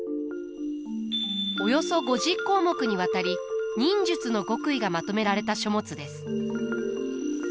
およそ５０項目にわたり忍術の極意がまとめられた書物です。